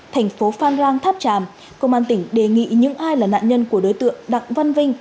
thành phố phan rang tháp tràm công an tỉnh đề nghị những ai là nạn nhân của đối tượng đặng văn vinh